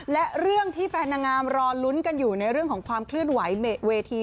และเรื่องที่แฟนนางงามรอลุ้นกันอยู่ในเรื่องของความเคลื่อนไหวเวที